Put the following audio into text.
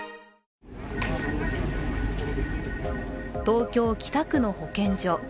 東京・北区の保健所。